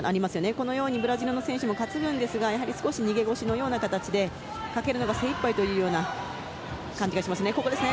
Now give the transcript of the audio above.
このようにブラジルの選手も担ぐんですが少し逃げ腰のような形でかけるのが精いっぱいという感じがしますね。